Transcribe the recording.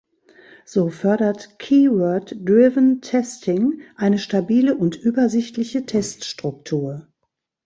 So fördert Keyword-Driven Testing eine stabile und übersichtliche Test-Struktur.